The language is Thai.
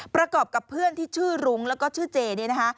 ประกอบกับเพื่อนที่ชื่อรุ้งแล้วก็ชื่อเจนี่นะคะ